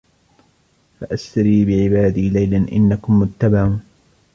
فَأَسْرِ بِعِبَادِي لَيْلًا إِنَّكُمْ مُتَّبَعُونَ